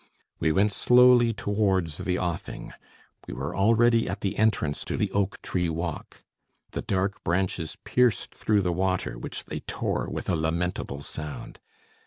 We went slowly towards the offing. We were already at the entrance to the oak tree walk. The dark branches pierced through the water, which they tore with a lamentable sound.